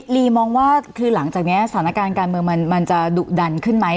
ลีมองว่าคือหลังจากนี้สถานการณ์การเมืองมันจะดุดันขึ้นไหม